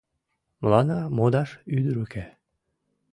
Мыланна модаш ӱдыр уке.